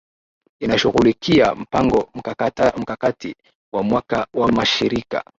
inashughulikia mpango mkakati wa mwaka wa mashirika